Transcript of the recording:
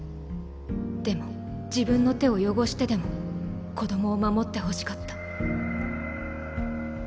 でも自分の手を汚してでも子供を守ってほしかった。